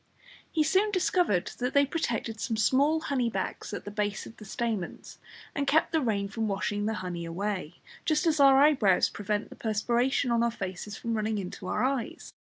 He soon discovered that they protected some small honey bags at the base of the stamens, and kept the rain from washing the honey away, just as our eyebrows prevent the perspiration on our faces from running into our eyes.